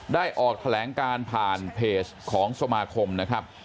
ได้ออกแถลงการผ่านเพจของสมาคมนะครับ